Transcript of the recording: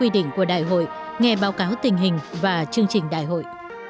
đại hội nghe báo cáo tình hình và chương trình đại hội